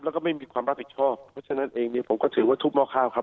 แล้วก็ไม่มีความรับผิดชอบเพราะฉะนั้นเองเนี่ยผมก็ถือว่าทุบหม้อข้าวครับ